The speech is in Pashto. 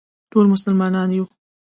ټول مسلمانان یو